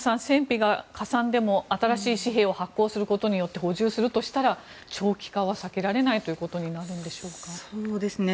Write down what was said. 戦費がかさんでも新しい紙幣を発行することによって補充するとしたら長期化は避けられないということですか。